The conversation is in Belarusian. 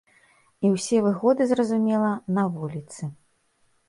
І ўсе выгоды, зразумела, на вуліцы.